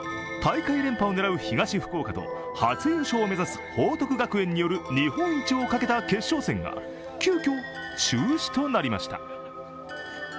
大会連覇を狙う東福岡と初優勝を目指す報徳学園による日本一をかけた決勝戦が急きょ中止となりました。